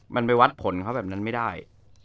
มันไปวัดผลเขาแบบนั้นไม่ได้